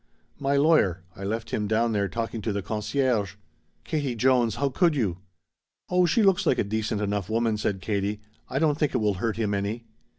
"My lawyer. I left him down there talking to the concierge." "Katie Jones how could you!" "Oh she looks like a decent enough woman," said Katie. "I don't think it will hurt him any."